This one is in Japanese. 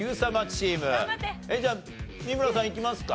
チームじゃあ三村さんいきますか。